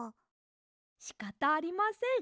しかたありません。